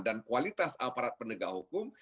dan kualitas aparat penegak hukum